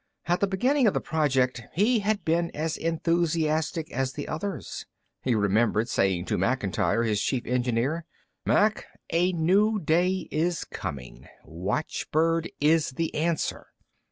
At the beginning of the project, he had been as enthusiastic as the others. He remembered saying to Macintyre, his chief engineer, "Mac, a new day is coming. Watchbird is the Answer."